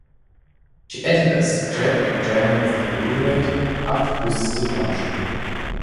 She enters as Jack and Janet's new roommate after Chrissy's departure.